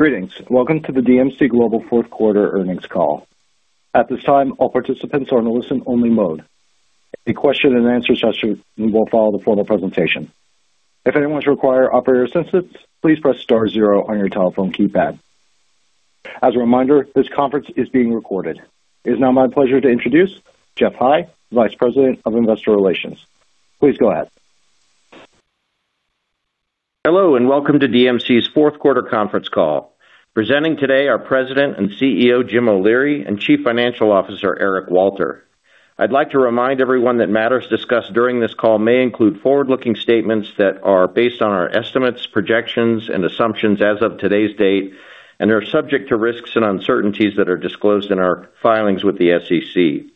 Greetings. Welcome to the DMC Global fourth quarter earnings call. At this time, all participants are in a listen-only mode. A question and answer session will follow the formal presentation. If anyone require operator assistance, please press star zero on your telephone keypad. As a reminder, this conference is being recorded. It is now my pleasure to introduce Geoff High, Vice President of Investor Relations. Please go ahead. Hello, and welcome to DMC's fourth quarter conference call. Presenting today, our President and CEO, James O'Leary, and Chief Financial Officer, Eric Walter. I'd like to remind everyone that matters discussed during this call may include forward-looking statements that are based on our estimates, projections, and assumptions as of today's date, and are subject to risks and uncertainties that are disclosed in our filings with the SEC.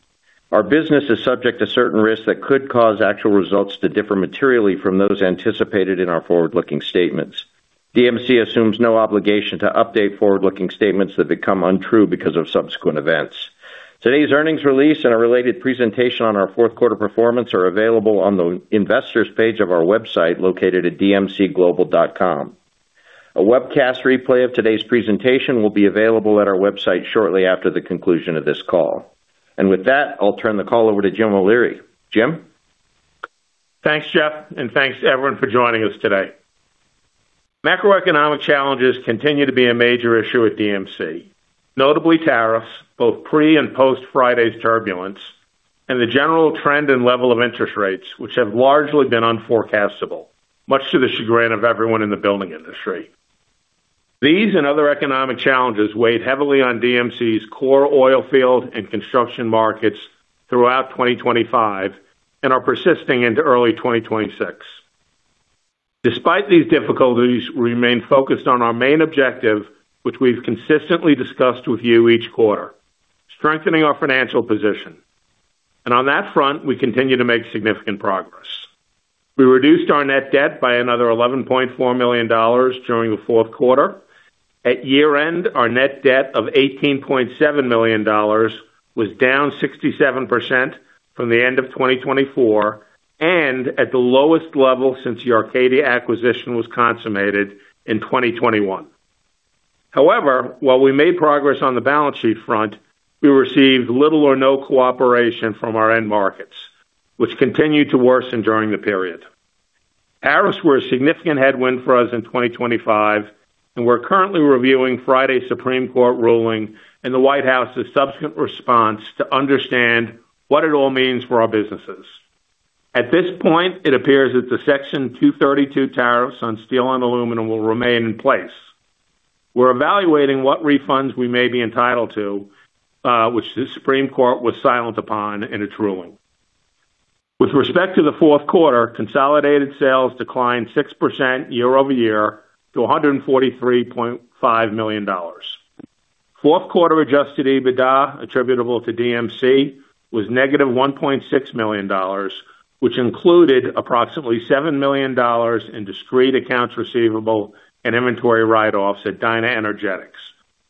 Our business is subject to certain risks that could cause actual results to differ materially from those anticipated in our forward-looking statements. DMC assumes no obligation to update forward-looking statements that become untrue because of subsequent events. Today's earnings release and a related presentation on our fourth quarter performance are available on the investors page of our website, located at dmcglobal.com. A webcast replay of today's presentation will be available at our website shortly after the conclusion of this call. With that, I'll turn the call over to James O'Leary. Jim? Thanks, Geoff, thanks to everyone for joining us today. Macroeconomic challenges continue to be a major issue at DMC, notably tariffs, both pre- and post-Friday's turbulence, and the general trend and level of interest rates, which have largely been unforecastable, much to the chagrin of everyone in the building industry. These and other economic challenges weighed heavily on DMC's core oil field and construction markets throughout 2025, are persisting into early 2026. Despite these difficulties, we remain focused on our main objective, which we've consistently discussed with you each quarter: strengthening our financial position. On that front, we continue to make significant progress. We reduced our net debt by another $11.4 million during the fourth quarter. At year-end, our net debt of $18.7 million was down 67% from the end of 2024, and at the lowest level since the Arcadia acquisition was consummated in 2021. However, while we made progress on the balance sheet front, we received little or no cooperation from our end markets, which continued to worsen during the period. Tariffs were a significant headwind for us in 2025, and we're currently reviewing Friday's Supreme Court ruling and the White House's subsequent response to understand what it all means for our businesses. At this point, it appears that the Section 232 tariffs on steel and aluminum will remain in place. We're evaluating what refunds we may be entitled to, which the Supreme Court was silent upon in its ruling. With respect to the fourth quarter, consolidated sales declined 6% year-over-year to $143.5 million. Fourth quarter adjusted EBITDA, attributable to DMC, was -$1.6 million, which included approximately $7 million in discrete accounts receivable and inventory write-offs at DynaEnergetics.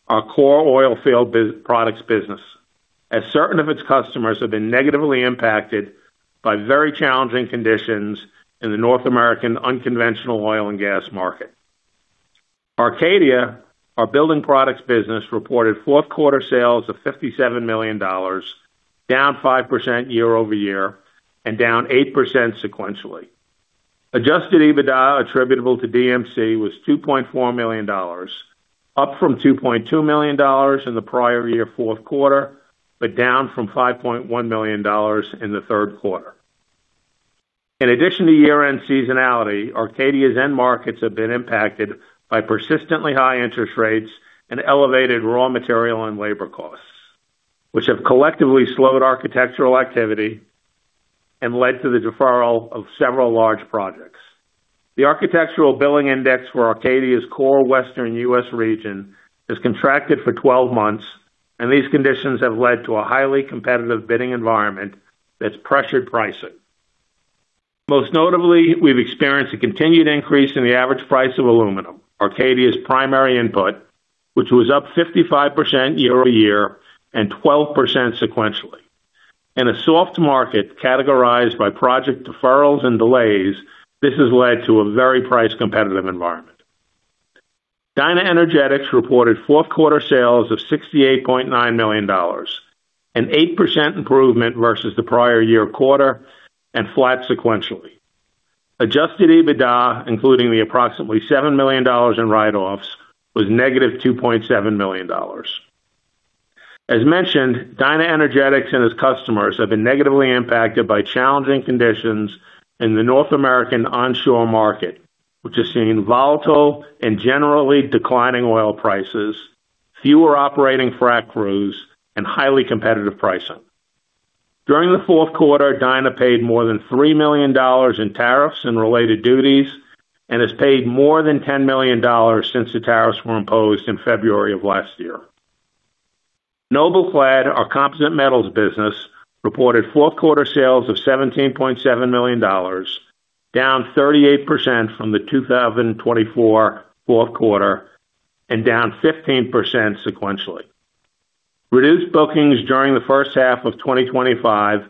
Our core oil field products business, as certain of its customers have been negatively impacted by very challenging conditions in the North American unconventional oil and gas market. Arcadia, our building products business, reported fourth quarter sales of $57 million, down 5% year-over-year and down 8% sequentially. Adjusted EBITDA attributable to DMC was $2.4 million, up from $2.2 million in the prior year fourth quarter, down from $5.1 million in the third quarter. In addition to year-end seasonality, Arcadia's end markets have been impacted by persistently high interest rates and elevated raw material and labor costs, which have collectively slowed architectural activity and led to the deferral of several large projects. The Architecture Billings Index for Arcadia's core Western US region has contracted for 12 months, and these conditions have led to a highly competitive bidding environment that's pressured pricing. Most notably, we've experienced a continued increase in the average price of aluminum, Arcadia's primary input, which was up 55% year-over-year and 12% sequentially. In a soft market, categorized by project deferrals and delays, this has led to a very price competitive environment. DynaEnergetics reported fourth quarter sales of $68.9 million, an 8% improvement versus the prior year quarter and flat sequentially. Adjusted EBITDA, including the approximately $7 million in write-offs, was negative $2.7 million. As mentioned, DynaEnergetics and its customers have been negatively impacted by challenging conditions in the North American onshore market, which has seen volatile and generally declining oil prices, fewer operating frac crews, and highly competitive pricing. During the fourth quarter, Dyna paid more than $3 million in tariffs and related duties and has paid more than $10 million since the tariffs were imposed in February of last year. NobelClad, our composite metals business, reported fourth quarter sales of $17.7 million, down 38% from the 2024 fourth quarter, and down 15% sequentially. Reduced bookings during the first half of 2025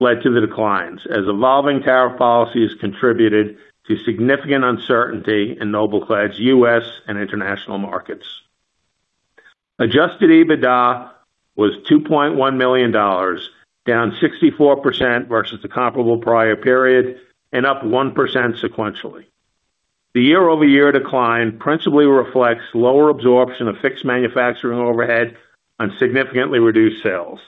led to the declines, as evolving tariff policies contributed to significant uncertainty in NobelClad's U.S. and international markets. Adjusted EBITDA was $2.1 million, down 64% versus the comparable prior period and up 1% sequentially. The year-over-year decline principally reflects lower absorption of fixed manufacturing overhead on significantly reduced sales.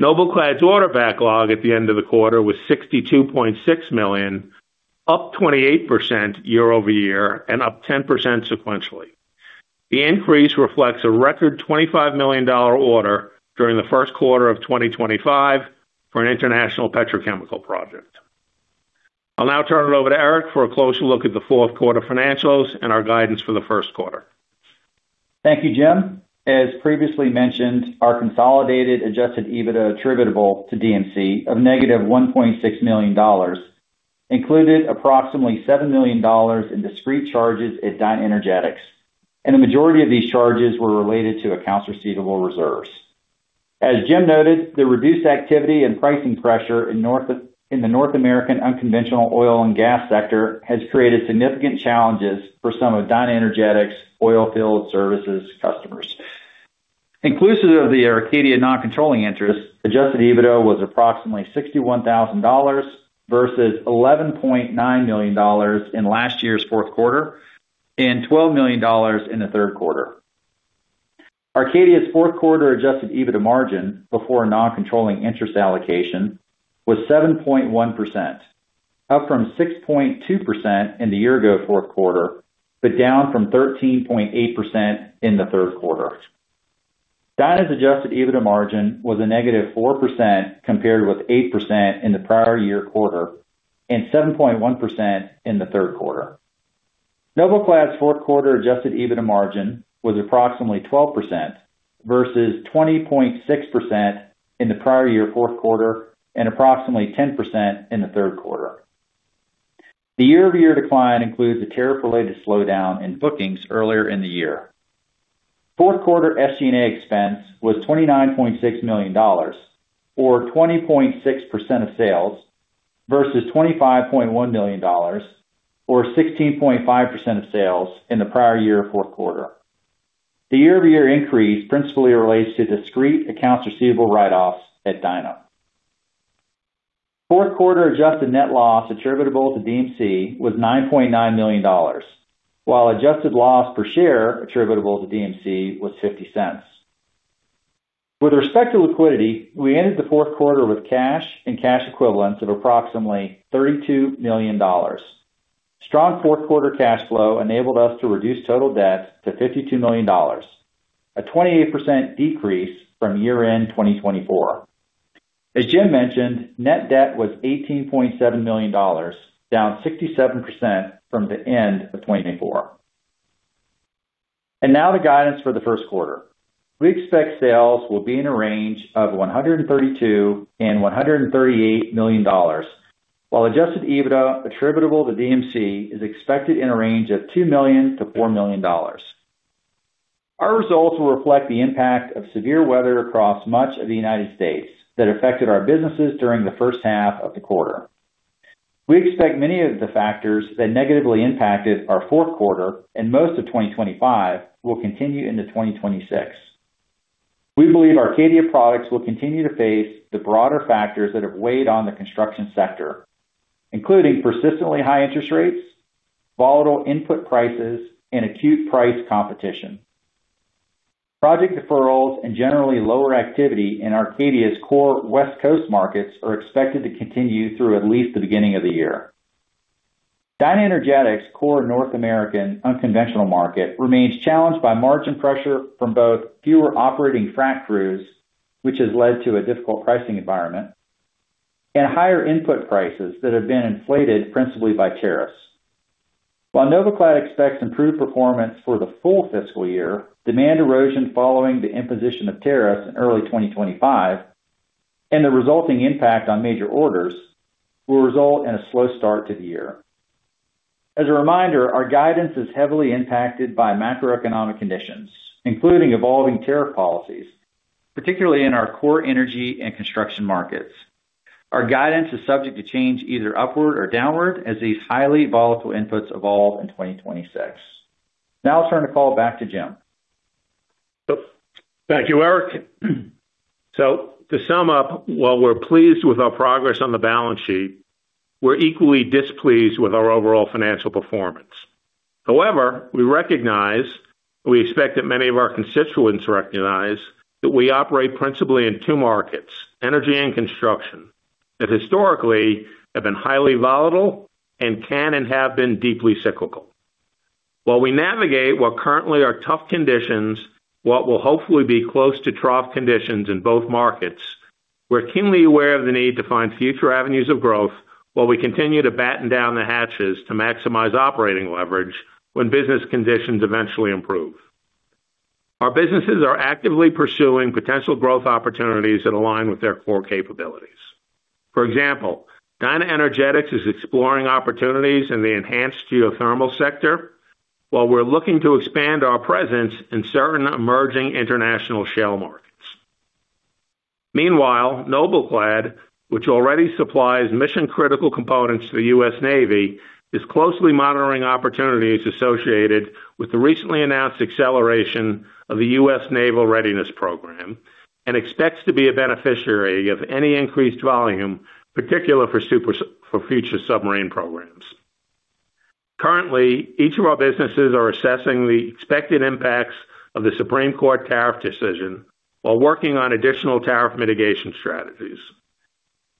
NobelClad's order backlog at the end of the quarter was $62.6 million, up 28% year-over-year and up 10% sequentially. The increase reflects a record $25 million order during the first quarter of 2025 for an international petrochemical project. I'll now turn it over to Eric for a closer look at the fourth quarter financials and our guidance for the first quarter. Thank you, Jim. As previously mentioned, our consolidated adjusted EBITDA attributable to DMC of negative $1.6 million included approximately $7 million in discrete charges at DynaEnergetics, and the majority of these charges were related to accounts receivable reserves. As Jim noted, the reduced activity and pricing pressure in the North American unconventional oil and gas sector has created significant challenges for some of DynaEnergetics oilfield services customers. Inclusive of the Arcadia non-controlling interest, adjusted EBITDA was approximately $61,000 versus $11.9 million in last year's fourth quarter, and $12 million in the third quarter. Arcadia's fourth quarter adjusted EBITDA margin before non-controlling interest allocation was 7.1%, up from 6.2% in the year-ago fourth quarter, but down from 13.8% in the third quarter. Dyna's adjusted EBITDA margin was -4%, compared with 8% in the prior year quarter, and 7.1% in the third quarter. NobelClad's fourth quarter adjusted EBITDA margin was approximately 12% versus 20.6% in the prior year fourth quarter, and approximately 10% in the third quarter. The year-over-year decline includes a tariff-related slowdown in bookings earlier in the year. Fourth quarter SG&A expense was $29.6 million, or 20.6% of sales, versus $25.1 million, or 16.5% of sales, in the prior year fourth quarter. The year-over-year increase principally relates to discrete accounts receivable write-offs at Dyna. Fourth quarter adjusted net loss attributable to DMC was $9.9 million, while adjusted loss per share attributable to DMC was $0.50. With respect to liquidity, we ended the fourth quarter with cash and cash equivalents of approximately $32 million. Strong fourth quarter cash flow enabled us to reduce total debt to $52 million, a 28% decrease from year-end 2024. As Jim mentioned, net debt was $18.7 million, down 67% from the end of 2024. Now the guidance for the first quarter. We expect sales will be in a range of $132 million-$138 million, while adjusted EBITDA attributable to DMC is expected in a range of $2 million-$4 million. Our results will reflect the impact of severe weather across much of the United States that affected our businesses during the first half of the quarter. We expect many of the factors that negatively impacted our fourth quarter and most of 2025 will continue into 2026. We believe Arcadia Products will continue to face the broader factors that have weighed on the construction sector, including persistently high interest rates, volatile input prices, and acute price competition. Project deferrals and generally lower activity in Arcadia's core West Coast markets are expected to continue through at least the beginning of the year. DynaEnergetics' core North American unconventional market remains challenged by margin pressure from both fewer operating frac crews, which has led to a difficult pricing environment, and higher input prices that have been inflated principally by tariffs. While NobelClad expects improved performance for the full fiscal year, demand erosion following the imposition of tariffs in early 2025, and the resulting impact on major orders will result in a slow start to the year. As a reminder, our guidance is heavily impacted by macroeconomic conditions, including evolving tariff policies, particularly in our core energy and construction markets. Our guidance is subject to change, either upward or downward, as these highly volatile inputs evolve in 2026. Now I'll turn the call back to Jim. Thank you, Eric. To sum up, while we're pleased with our progress on the balance sheet, we're equally displeased with our overall financial performance. However, we recognize, we expect that many of our constituents recognize, that we operate principally in two markets, energy and construction, that historically have been highly volatile and can and have been deeply cyclical. While we navigate what currently are tough conditions, what will hopefully be close to trough conditions in both markets, we're keenly aware of the need to find future avenues of growth while we continue to batten down the hatches to maximize operating leverage when business conditions eventually improve. Our businesses are actively pursuing potential growth opportunities that align with their core capabilities. For example, DynaEnergetics is exploring opportunities in the enhanced geothermal sector, while we're looking to expand our presence in certain emerging international shale markets. Meanwhile, NobelClad, which already supplies mission-critical components to the U.S. Navy, is closely monitoring opportunities associated with the recently announced acceleration of the U.S. Naval Readiness Program, expects to be a beneficiary of any increased volume, particularly for future submarine programs. Currently, each of our businesses are assessing the expected impacts of the Supreme Court tariff decision while working on additional tariff mitigation strategies.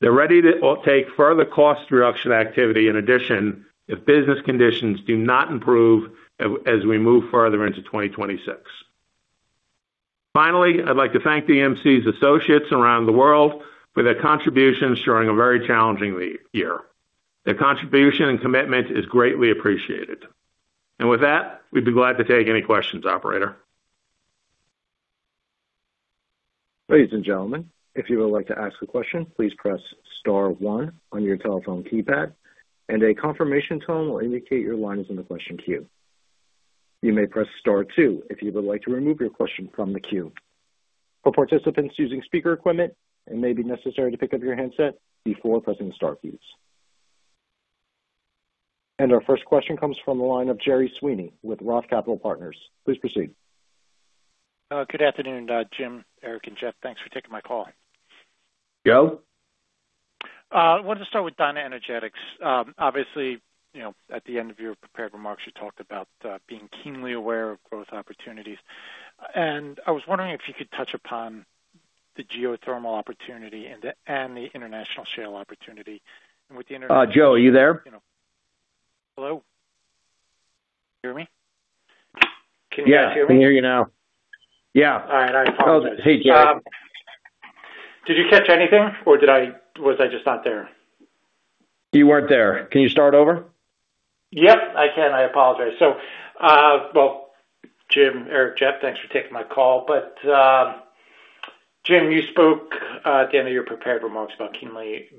They're ready to take further cost reduction activity in addition, if business conditions do not improve as we move further into 2026. Finally, I'd like to thank DMC's associates around the world for their contributions during a very challenging year. Their contribution and commitment is greatly appreciated. With that, we'd be glad to take any questions, operator. Ladies and gentlemen, if you would like to ask a question, please press star one on your telephone keypad, and a confirmation tone will indicate your line is in the question queue. You may press star two if you would like to remove your question from the queue. For participants using speaker equipment, it may be necessary to pick up your handset before pressing the star keys. Our first question comes from the line of Gerard Sweeney with Roth Capital Partners. Please proceed. Good afternoon, Jim, Eric, and Geoff. Thanks for taking my call. Gerard? I wanted to start with DynaEnergetics. Obviously, you know, at the end of your prepared remarks, you talked about being keenly aware of growth opportunities, and I was wondering if you could touch upon the geothermal opportunity and the, and the international shale opportunity, and with the international- Gerard, are you there? Hello? Hear me? Can you guys hear me? Yeah, I can hear you now. Yeah. All right. I apologize. Hey, Gerard. Did you catch anything, or was I just not there? You weren't there. Can you start over? Yep, I can. I apologize. Well, Jim, Eric, Geoff, thanks for taking my call. Jim, you spoke at the end of your prepared remarks about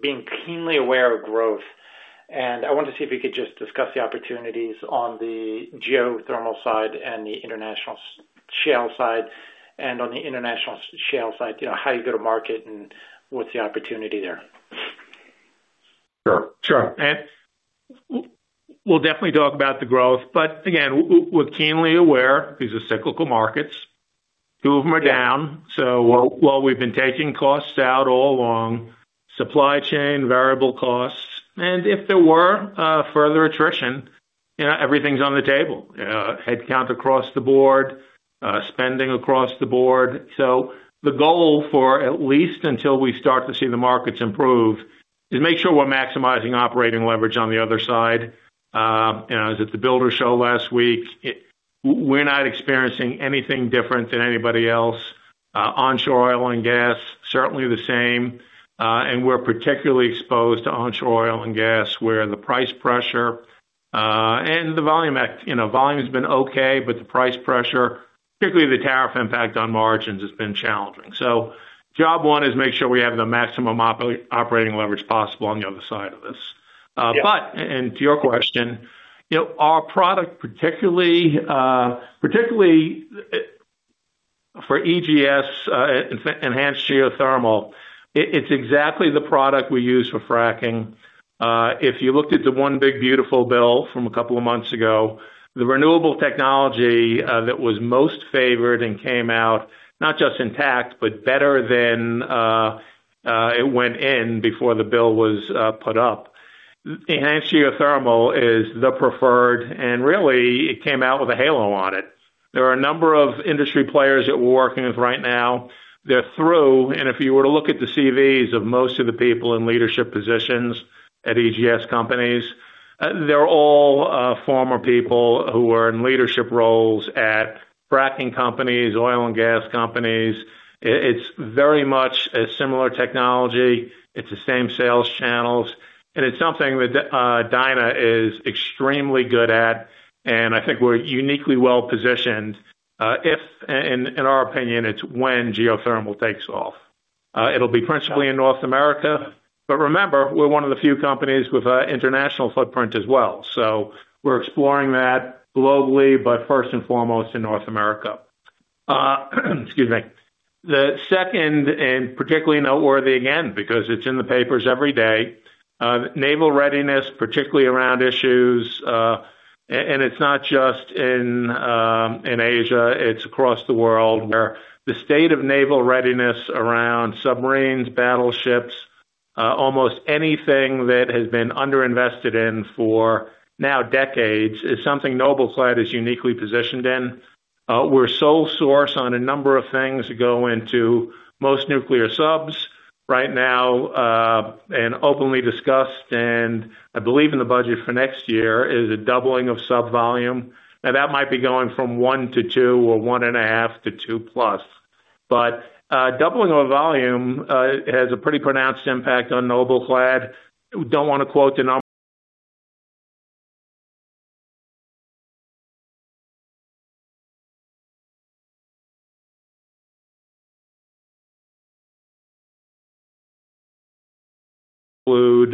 being keenly aware of growth, and I wanted to see if you could just discuss the opportunities on the geothermal side and the international shale side, and on the international shale side, you know, how you go to market and what's the opportunity there? Sure. Sure. We'll definitely talk about the growth, but again, we're keenly aware these are cyclical markets. Two of them are down, so while, while we've been taking costs out all along, supply chain, variable costs, and if there were further attrition, you know, everything's on the table. Headcount across the board, spending across the board. The goal for at least until we start to see the markets improve, is make sure we're maximizing operating leverage on the other side. You know, I was at the Builder Show last week. We're not experiencing anything different than anybody else. Onshore oil and gas, certainly the same, and we're particularly exposed to onshore oil and gas, where the price pressure, and the volume at... You know, volume has been okay, but the price pressure, particularly the tariff impact on margins, has been challenging. Job one is make sure we have the maximum operating leverage possible on the other side of this. Yeah. To your question, you know, our product, particularly, particularly, for EGS, enhanced geothermal, it's exactly the product we use for fracking. If you looked at the One Big Beautiful Bill from a couple of months ago, the renewable technology, that was most favored and came out not just intact, but better than it went in before the bill was put up. Enhanced geothermal is the preferred, and really, it came out with a halo on it. There are a number of industry players that we're working with right now. They're through, and if you were to look at the CVs of most of the people in leadership positions at EGS companies, they're all former people who are in leadership roles at fracking companies, oil and gas companies. It's very much a similar technology. It's the same sales channels, and it's something that Dyna is extremely good at, and I think we're uniquely well-positioned, if, a- and in our opinion, it's when geothermal takes off. It'll be principally in North America, but remember, we're 1 of the few companies with a international footprint as well, so we're exploring that globally, but first and foremost, in North America. Excuse me. The second, and particularly noteworthy again, because it's in the papers every day, Naval Readiness, particularly around issues, A- and it's not just in Asia, it's across the world, where the state of Naval Readiness around submarines, battleships, almost anything that has been under-invested in for now decades, is something NobelClad is uniquely positioned in. We're sole source on a number of things that go into most nuclear subs right now, and openly discussed, and I believe in the budget for next year, is a doubling of sub volume. That might be going from 1 to 2 or 1.5 to 2+. Doubling of volume has a pretty pronounced impact on NobelClad. We don't want to quote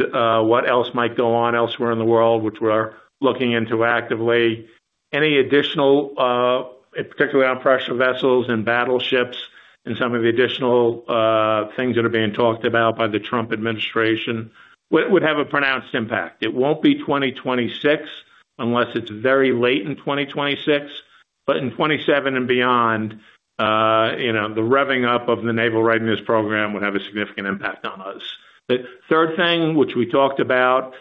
include what else might go on elsewhere in the world, which we're looking into actively. Any additional, particularly on pressure vessels and battleships and some of the additional things that are being talked about by the Trump administration, would have a pronounced impact. It won't be 2026, unless it's very late in 2026, but in 2027 and beyond, you know, the revving up of the Naval Readiness Program would have a significant impact on us. The third thing, which we talked about,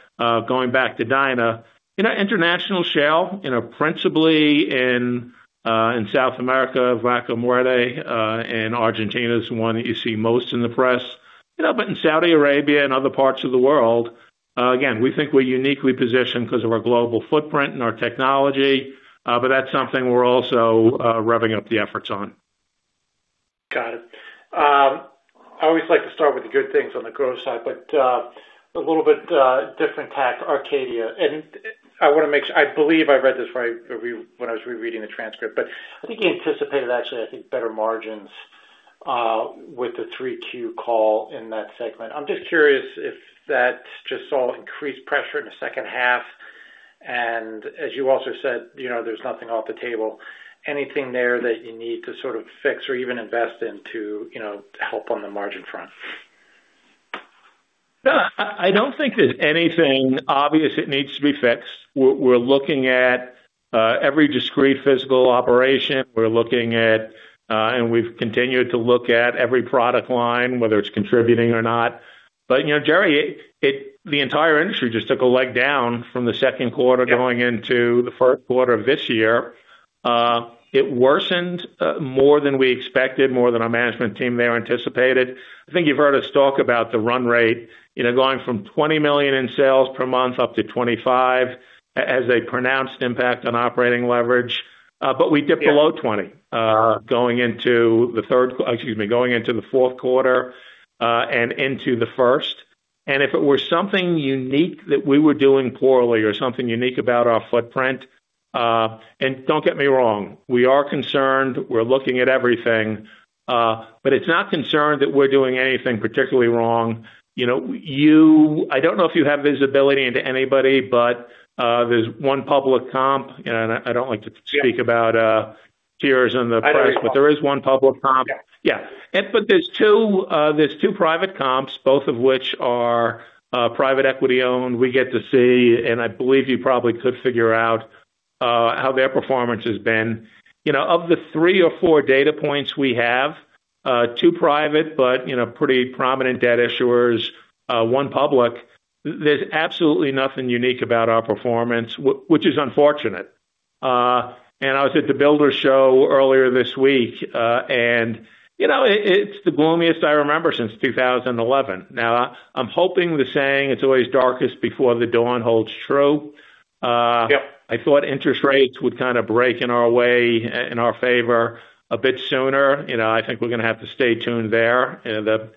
going back to DynaEnergetics, you know, international shale, you know, principally in South America, Vaca Muerta, and Argentina is the one that you see most in the press, you know, but in Saudi Arabia and other parts of the world, again, we think we're uniquely positioned 'cause of our global footprint and our technology, but that's something we're also revving up the efforts on. Got it. I always like to start with the good things on the growth side, but a little bit different tack, Arcadia. I believe I read this right when I was rereading the transcript, but I think you anticipated, actually, I think, better margins, with the 3Q call in that segment. I'm just curious if that just saw increased pressure in the second half, and as you also said, you know, there's nothing off the table. Anything there that you need to sort of fix or even invest into, you know, to help on the margin front? No, I, I don't think there's anything obvious that needs to be fixed. We're, we're looking at every discrete physical operation. We're looking at, and we've continued to look at every product line, whether it's contributing or not. you know, Jerry, it, it- the entire industry just took a leg down from the second quarter. Yeah... going into the first quarter of this year. It worsened, more than we expected, more than our management team there anticipated. I think you've heard us talk about the run rate, you know, going from $20 million in sales per month up to $25 million, as a pronounced impact on operating leverage. We dipped- Yeah... below 20, going into the third, excuse me, going into the fourth quarter, and into the first. If it were something unique that we were doing poorly or something unique about our footprint. Don't get me wrong, we are concerned, we're looking at everything, but it's not concerned that we're doing anything particularly wrong. You know, I don't know if you have visibility into anybody, but there's 1 public comp. Yeah... speak about, peers in the press. I agree. There is one public comp. Yeah. Yeah. There's 2, there's 2 private comps, both of which are private equity-owned. We get to see, and I believe you probably could figure out how their performance has been. You know, of the 3 or 4 data points we have, 2 private, but you know, pretty prominent debt issuers, 1 public, there's absolutely nothing unique about our performance, which is unfortunate. I was at the Builders Show earlier this week, and, you know, it, it's the gloomiest I remember since 2011. I'm hoping the saying, "It's always darkest before the dawn," holds true. Yep. I thought interest rates would kind of break in our way, in our favor a bit sooner. You know, I think we're gonna have to stay tuned there. You know,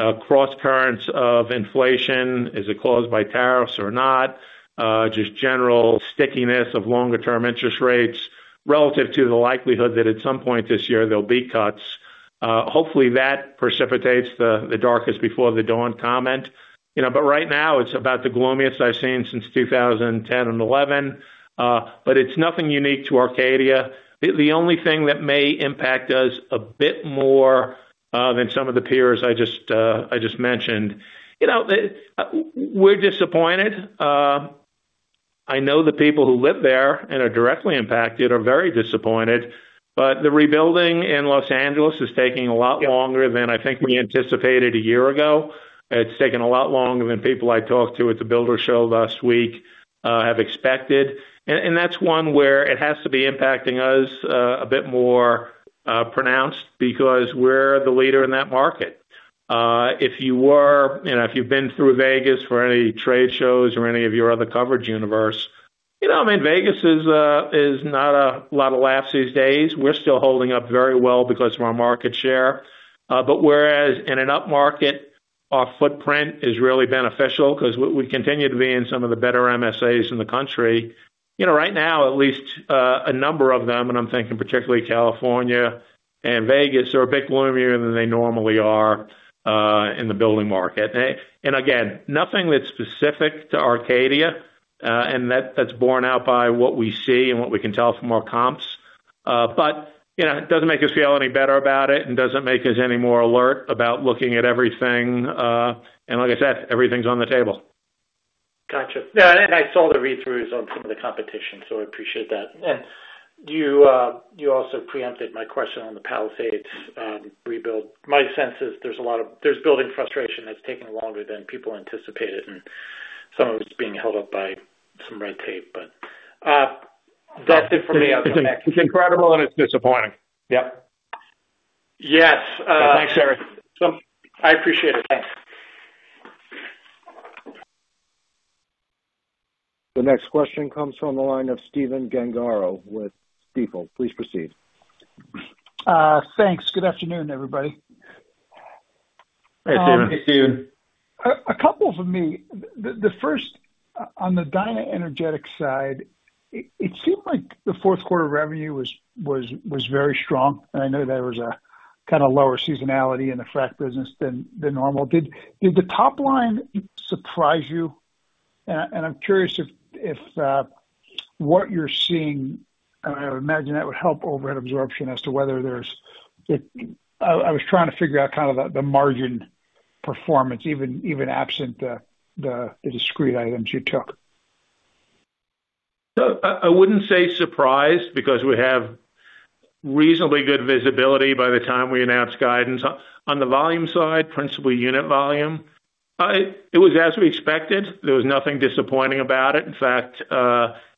the cross currents of inflation, is it caused by tariffs or not? Just general stickiness of longer term interest rates relative to the likelihood that at some point this year, there'll be cuts. Hopefully, that precipitates the darkest before the dawn comment. You know, but right now, it's about the gloomiest I've seen since 2010 and 2011. It's nothing unique to Arcadia. The only thing that may impact us a bit more than some of the peers I just mentioned, you know, we're disappointed. I know the people who live there and are directly impacted are very disappointed, but the rebuilding in Los Angeles is taking a lot longer... Yeah... than I think we anticipated a year ago. It's taken a lot longer than people I talked to at the Builders' Show last week, have expected. That's one where it has to be impacting us a bit more pronounced because we're the leader in that market. If you were, you know, if you've been through Vegas for any trade shows or any of your other coverage universe, you know, I mean, Vegas is not a lot of laughs these days. We're still holding up very well because of our market share, but whereas in an upmarket, our footprint is really beneficial 'cause we continue to be in some of the better MSAs in the country. You know, right now, at least, a number of them, and I'm thinking particularly California and Vegas, are a bit gloomier than they normally are, in the building market. Again, nothing that's specific to Arcadia, and that, that's borne out by what we see and what we can tell from our comps, but, you know, it doesn't make us feel any better about it and doesn't make us any more alert about looking at everything, and like I said, everything's on the table. Gotcha. Yeah, I saw the read-throughs on some of the competition, so I appreciate that. You, you also preempted my question on the Palisades rebuild. My sense is there's there's building frustration that's taking longer than people anticipated, and some of it's being held up by some red tape. That's it for me. It's incredible and it's disappointing. Yep. Yes. Thanks, Gerard. I appreciate it. Thanks. The next question comes from the line of Stephen Gengaro with Stifel. Please proceed. Thanks. Good afternoon, everybody. Hey, Steven. Hey, Steven. A couple for me. The first, on the DynaEnergetics side, it seemed like the 4th quarter revenue was very strong, and I know there was a kind of lower seasonality in the frac business than normal. Did the top line surprise you? I'm curious if what you're seeing, I would imagine that would help overhead absorption as to whether there's. I was trying to figure out kind of the margin performance, even absent the discrete items you took. I wouldn't say surprised, because we have reasonably good visibility by the time we announce guidance. On the volume side, principal unit volume, it was as we expected. There was nothing disappointing about it. In fact,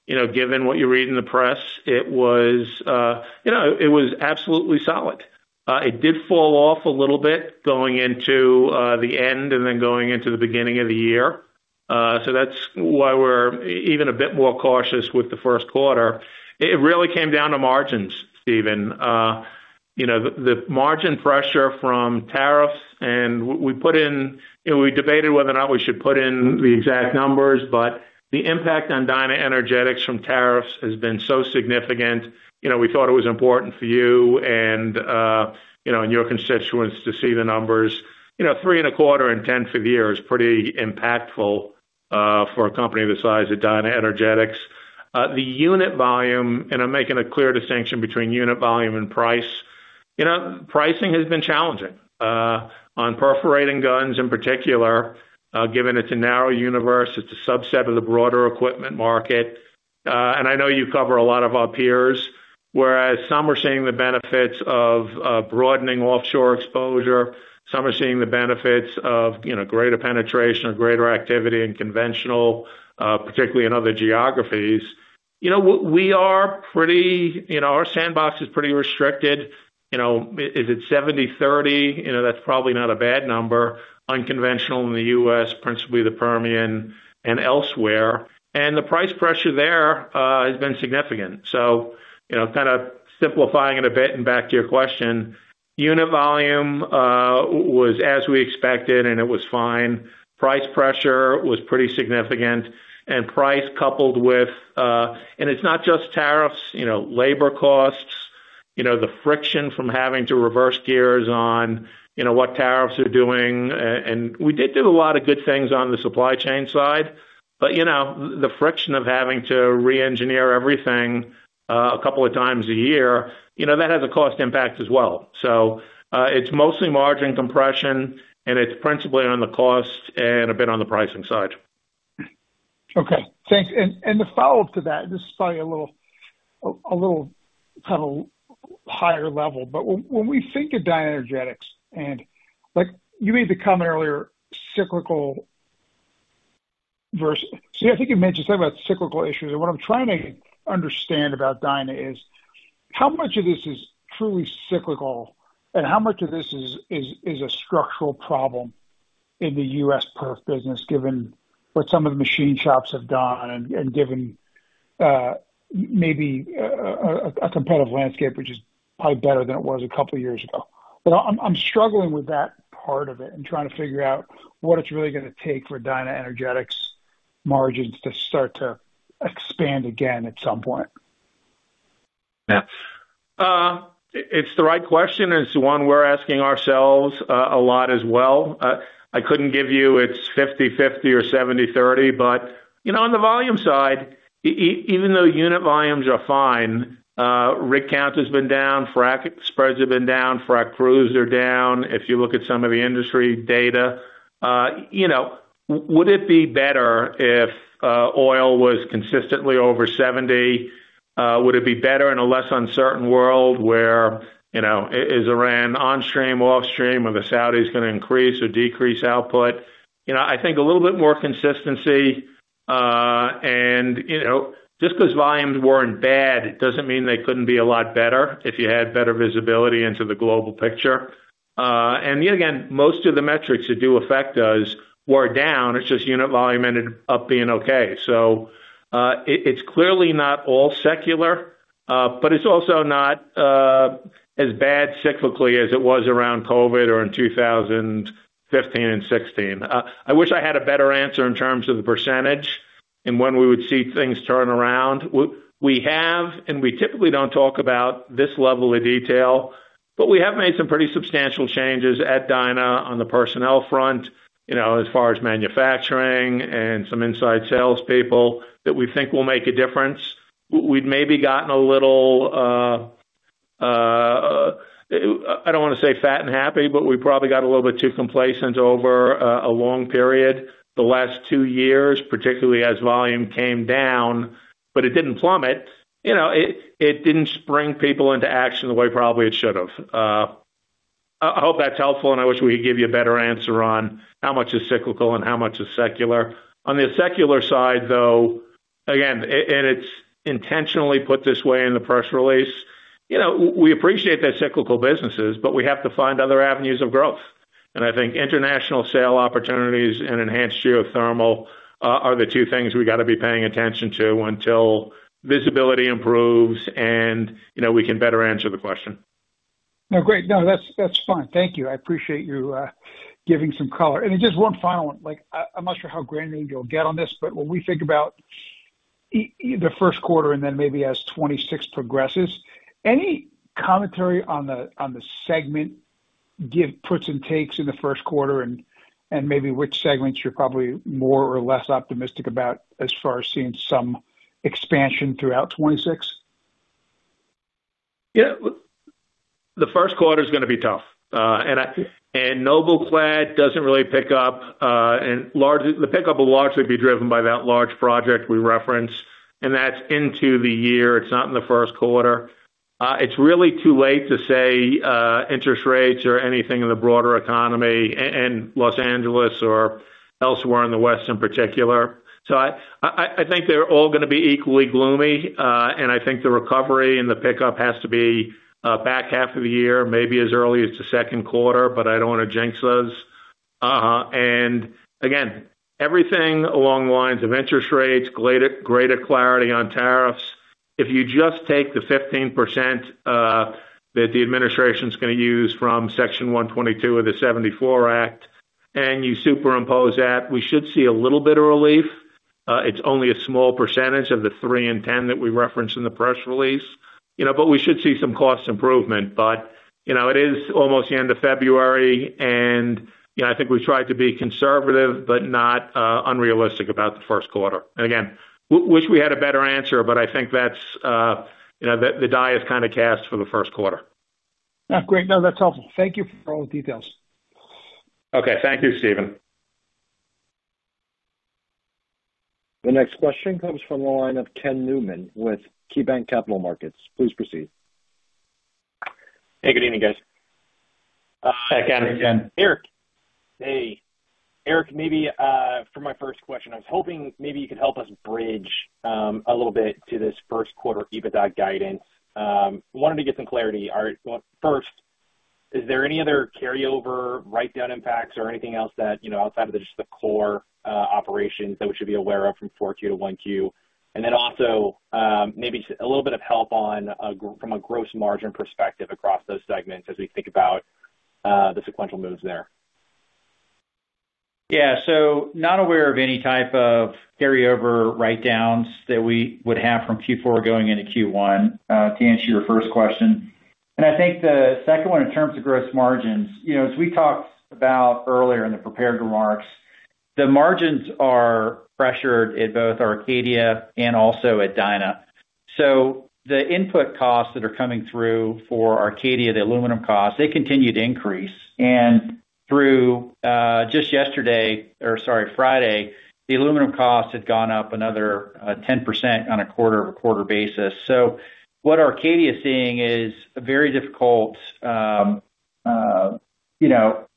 you know, given what you read in the press, it was, you know, it was absolutely solid. It did fall off a little bit going into the end and then going into the beginning of the year. That's why we're even a bit more cautious with the first quarter. It really came down to margins, Steven. You know, the, the margin pressure from tariffs and we put in, you know, we debated whether or not we should put in the exact numbers, but the impact on DynaEnergetics from tariffs has been so significant, you know, we thought it was important for you and, you know, and your constituents to see the numbers. You know, 3.25 and 0.1 of a year is pretty impactful for a company the size of DynaEnergetics. The unit volume, and I'm making a clear distinction between unit volume and price. You know, pricing has been challenging on perforating guns in particular, given it's a narrow universe, it's a subset of the broader equipment market. I know you cover a lot of our peers, whereas some are seeing the benefits of broadening offshore exposure, some are seeing the benefits of, you know, greater penetration or greater activity in conventional, particularly in other geographies. You know, we are pretty. You know, our sandbox is pretty restricted. You know, is it 70/30? You know, that's probably not a bad number. Unconventional in the U.S., principally the Permian and elsewhere, the price pressure there has been significant. You know, kind of simplifying it a bit and back to your question, unit volume was as we expected, and it was fine. Price pressure was pretty significant, price coupled with. It's not just tariffs, you know, labor costs, you know, the friction from having to reverse gears on, you know, what tariffs are doing. We did do a lot of good things on the supply chain side, but, you know, the friction of having to re-engineer everything, a couple of times a year, you know, that has a cost impact as well. It's mostly margin compression, and it's principally on the cost and a bit on the pricing side. Okay, thanks. The follow-up to that, this is probably a little, a little, kind of higher level, but when we think of DynaEnergetics, and like, you made the comment earlier, cyclical versus... See, I think you mentioned something about cyclical issues, and what I'm trying to understand about Dyna is, how much of this is truly cyclical, and how much of this is, is, is a structural problem in the U.S. perf business, given what some of the machine shops have done and, given, maybe, a competitive landscape, which is probably better than it was a couple years ago? I'm struggling with that part of it and trying to figure out what it's really gonna take for DynaEnergetics margins to start to expand again at some point. Yeah. It's the right question. It's one we're asking ourselves, a lot as well. I couldn't give you it's 50/50 or 70/30, but, you know, on the volume side, even though unit volumes are fine, rig count has been down, frac spread have been down, frac crew are down. If you look at some of the industry data, you know, would it be better if oil was consistently over $70? Would it be better in a less uncertain world where, you know, is Iran on stream, off stream, are the Saudis gonna increase or decrease output? You know, I think a little bit more consistency, and, you know, just 'cause volumes weren't bad, it doesn't mean they couldn't be a lot better if you had better visibility into the global picture. Yet again, most of the metrics that do affect us were down. It's just unit volume ended up being okay. It's clearly not all secular, but it's also not as bad cyclically as it was around COVID or in 2015 and 2016. I wish I had a better answer in terms of the percentage and when we would see things turn around. We have, and we typically don't talk about this level of detail, but we have made some pretty substantial changes at Dyna on the personnel front, you know, as far as manufacturing and some inside salespeople, that we think will make a difference. We'd maybe gotten a little. I don't wanna say fat and happy, but we probably got a little bit too complacent over a long period the last 2 years, particularly as volume came down, but it didn't plummet. You know, it, it didn't spring people into action the way probably it should have. I hope that's helpful, I wish we could give you a better answer on how much is cyclical and how much is secular. On the secular side, though, again, it's intentionally put this way in the press release, you know, we appreciate the cyclical businesses, we have to find other avenues of growth. I think international sale opportunities and enhanced geothermal are the 2 things we've gotta be paying attention to until visibility improves, you know, we can better answer the question. No, great. No, that's, that's fine. Thank you. I appreciate you giving some color. Then just one final one. Like, I, I'm not sure how granular you'll get on this, but when we think about e- the first quarter, and then maybe as 2026 progresses, any commentary on the, on the segment, give puts and takes in the first quarter and, and maybe which segments you're probably more or less optimistic about as far as seeing some expansion throughout 2026? Yeah. The first quarter is gonna be tough. NobelClad doesn't really pick up, the pickup will largely be driven by that large project we referenced, and that's into the year, it's not in the first quarter. It's really too late to say, interest rates or anything in the broader economy in Los Angeles or elsewhere in the West in particular. I, I, I think they're all gonna be equally gloomy. I think the recovery and the pickup has to be back half of the year, maybe as early as the second quarter, but I don't want to jinx us. Again, everything along the lines of interest rates, greater, greater clarity on tariffs. If you just take the 15% that the administration is gonna use from Section 122 of the 74 Act, and you superimpose that, we should see a little bit of relief. It's only a small percentage of the 3 in 10 that we referenced in the press release, you know, but we should see some cost improvement. You know, it is almost the end of February, and, you know, I think we tried to be conservative, but not unrealistic about the first quarter. Again, w- wish we had a better answer, but I think that's, you know, the, the die is kind of cast for the first quarter. Yeah, great. No, that's helpful. Thank you for all the details. Okay. Thank you, Steven. The next question comes from the line of Ken Newman with KeyBanc Capital Markets. Please proceed. Hey, good evening, guys. Hi, Ken. Hey, Ken. Eric. Hey, Eric, maybe for my first question, I was hoping maybe you could help us bridge a little bit to this first quarter EBITDA guidance. Wanted to get some clarity. All right, well, first, is there any other carryover, write-down impacts or anything else that, you know, outside of just the core operations that we should be aware of from four Q to one Q? Then also, maybe a little bit of help on from a gross margin perspective across those segments as we think about the sequential moves there. Yeah. Not aware of any type of carryover write downs that we would have from Q4 going into Q1, to answer your first question. I think the second one, in terms of gross margins, you know, as we talked about earlier in the prepared remarks, the margins are pressured at both Arcadia and also at Dyna. The input costs that are coming through for Arcadia, the aluminum costs, they continue to increase. Through just yesterday or, sorry, Friday, the aluminum costs had gone up another 10% on a quarter-over-quarter basis. What Arcadia is seeing is a very difficult, you know, it,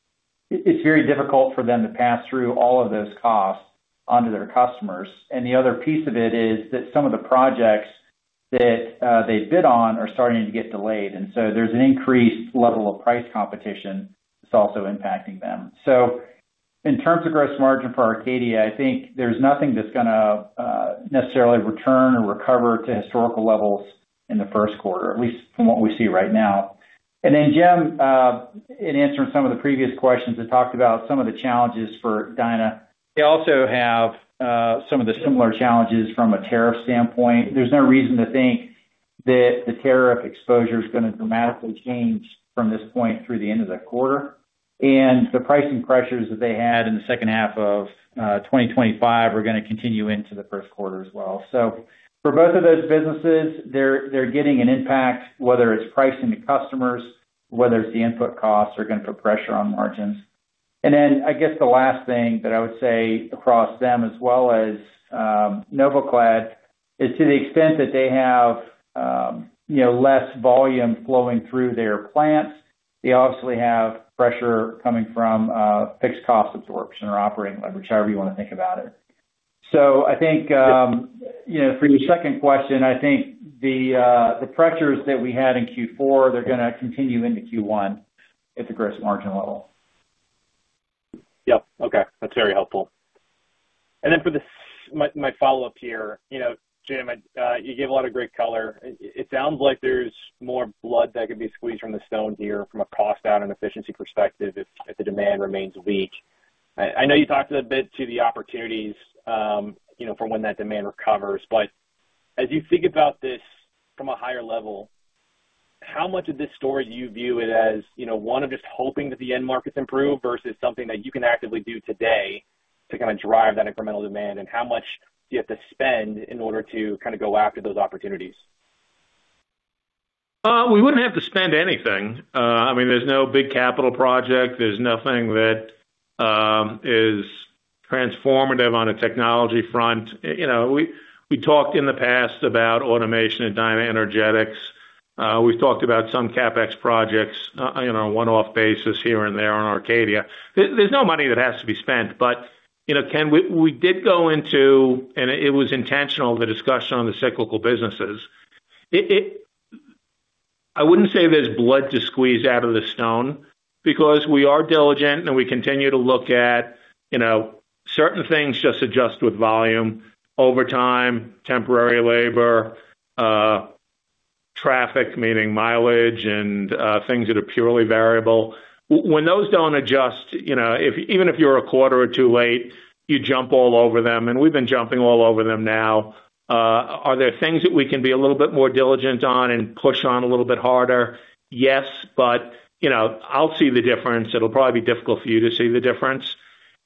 it's very difficult for them to pass through all of those costs onto their customers. The other piece of it is that some of the projects that they bid on are starting to get delayed, and so there's an increased level of price competition that's also impacting them. In terms of gross margin for Arcadia, I think there's nothing that's gonna necessarily return or recover to historical levels in the first quarter, at least from what we see right now. Jim, in answering some of the previous questions, I talked about some of the challenges for Dyna. They also have some of the similar challenges from a tariff standpoint. There's no reason to think that the tariff exposure is gonna dramatically change from this point through the end of the quarter, and the pricing pressures that they had in the second half of 2025 are gonna continue into the first quarter as well. For both of those businesses, they're, they're getting an impact, whether it's pricing to customers, whether it's the input costs are gonna put pressure on margins. I guess the last thing that I would say across them as well as NobelClad, is to the extent that they have, you know, less volume flowing through their plants, they obviously have pressure coming from fixed cost absorption or operating leverage, however you want to think about it. I think, you know, for your second question, I think the pressures that we had in Q4, they're gonna continue into Q1 at the gross margin level. Yep. Okay. That's very helpful. Then for my, my follow-up here, you know, Jim, I, you gave a lot of great color. It, it sounds like there's more blood that could be squeezed from the stone here from a cost out and efficiency perspective if, if the demand remains weak. I, I know you talked a bit to the opportunities, you know, for when that demand recovers, but as you think about this from a higher level, how much of this story do you view it as, you know, one of just hoping that the end markets improve versus something that you can actively do today to kind of drive that incremental demand? How much do you have to spend in order to kind of go after those opportunities? We wouldn't have to spend anything. I mean, there's no big capital project. There's nothing that is transformative on a technology front. You know, we, we talked in the past about automation at DynaEnergetics. We've talked about some CapEx projects, you know, a one-off basis here and there on Arcadia. There, there's no money that has to be spent. You know, Ken, we, we did go into, and it was intentional, the discussion on the cyclical businesses. It, I wouldn't say there's blood to squeeze out of the stone because we are diligent, and we continue to look at, you know-... Certain things just adjust with volume, overtime, temporary labor, traffic, meaning mileage and things that are purely variable. When those don't adjust, you know, if, even if you're a quarter or two late, you jump all over them, and we've been jumping all over them now. Are there things that we can be a little bit more diligent on and push on a little bit harder? Yes, but, you know, I'll see the difference. It'll probably be difficult for you to see the difference.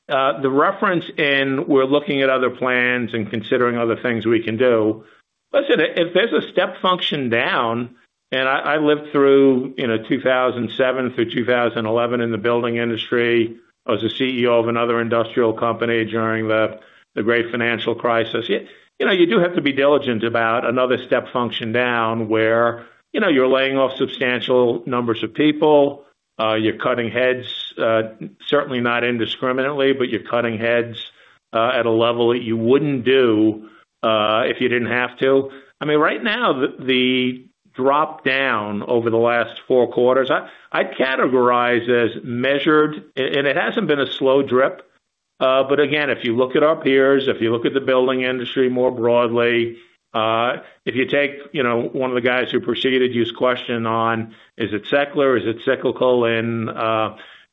The reference in we're looking at other plans and considering other things we can do, listen, if there's a step function down, and I, I lived through, you know, 2007 through 2011 in the building industry. I was a CEO of another industrial company during the, the great financial crisis. You know, you do have to be diligent about another step function down, where, you know, you're laying off substantial numbers of people, you're cutting heads, certainly not indiscriminately, but you're cutting heads at a level that you wouldn't do if you didn't have to. I mean, right now, the, the drop down over the last four quarters, I, I'd categorize as measured, and it hasn't been a slow drip. Again, if you look at our peers, if you look at the building industry more broadly, if you take, you know, one of the guys who proceeded you's question on, is it secular, is it cyclical in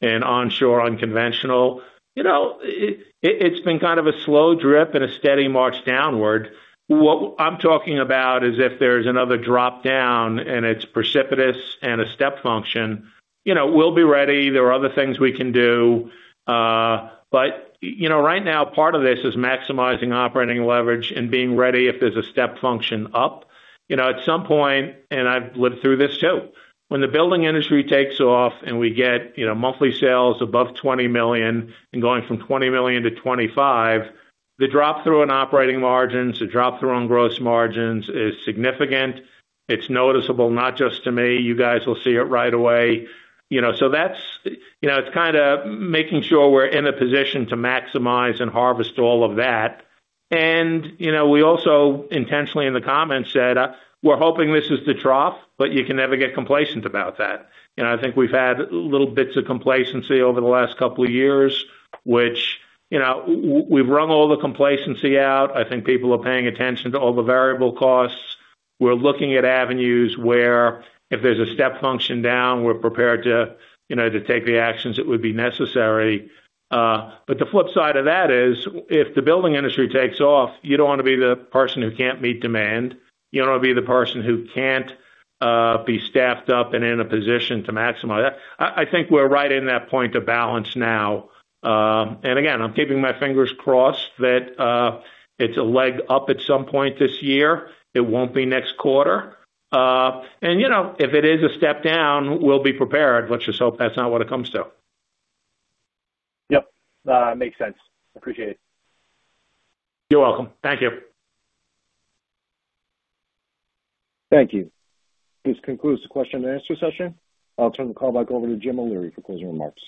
onshore unconventional? You know, it's been kind of a slow drip and a steady march downward. What I'm talking about is if there's another drop down and it's precipitous and a step function, you know, we'll be ready. There are other things we can do, but, you know, right now, part of this is maximizing operating leverage and being ready if there's a step function up. You know, at some point, and I've lived through this, too, when the building industry takes off and we get, you know, monthly sales above $20 million and going from $20 million to $25 million, the drop through on operating margins, the drop through on gross margins is significant. It's noticeable, not just to me. You guys will see it right away. You know, so that's. You know, it's kind of making sure we're in a position to maximize and harvest all of that. You know, we also intentionally in the comments said, we're hoping this is the trough, but you can never get complacent about that. You know, I think we've had little bits of complacency over the last couple of years, which, you know, we've wrung all the complacency out. I think people are paying attention to all the variable costs. We're looking at avenues where if there's a step function down, we're prepared to, you know, to take the actions that would be necessary. But the flip side of that is, if the building industry takes off, you don't wanna be the person who can't meet demand. You don't wanna be the person who can't be staffed up and in a position to maximize that. I, I think we're right in that point of balance now. Again, I'm keeping my fingers crossed that it's a leg up at some point this year. It won't be next quarter. You know, if it is a step down, we'll be prepared, let's just hope that's not what it comes to. Yep, makes sense. Appreciate it. You're welcome. Thank you. Thank you. This concludes the question and answer session. I'll turn the call back over to James O'Leary for closing remarks.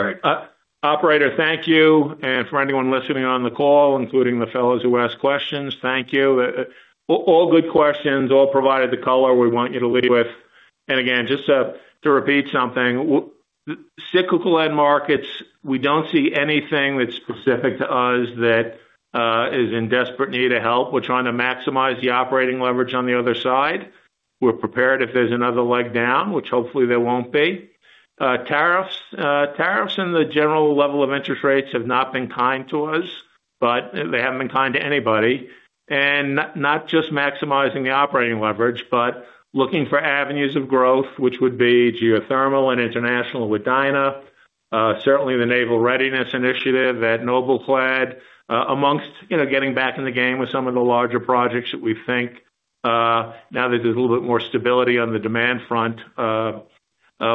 All right. Operator, thank you. For anyone listening on the call, including the fellows who asked questions, thank you. All good questions, all provided the color we want you to leave with. Again, just to repeat something, cyclical end markets, we don't see anything that's specific to us that is in desperate need of help. We're trying to maximize the operating leverage on the other side. We're prepared if there's another leg down, which hopefully there won't be. Tariffs, tariffs and the general level of interest rates have not been kind to us, but they haven't been kind to anybody. not just maximizing the operating leverage, but looking for avenues of growth, which would be geothermal and international with Dyna, certainly the Naval Readiness Initiative at NobelClad, amongst, you know, getting back in the game with some of the larger projects that we think, now that there's a little bit more stability on the demand front,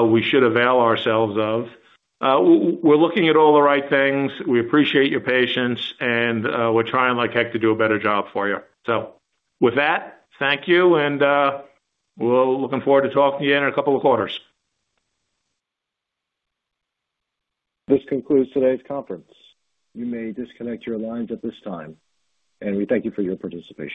we should avail ourselves of. We're looking at all the right things. We appreciate your patience, and we're trying like heck to do a better job for you. With that, thank you, and we'll looking forward to talking to you in 2 quarters. This concludes today's conference. You may disconnect your lines at this time. We thank you for your participation.